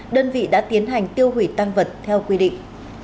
đơn vị đã tiến hành tiêu hủy tăng vật theo quy định